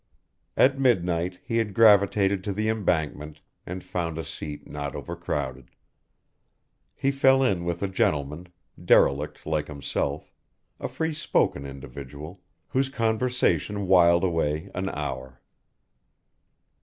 At midnight he had gravitated to the embankment, and found a seat not overcrowded. Here he fell in with a gentleman, derelict like himself, a free spoken individual, whose conversation wiled away an hour.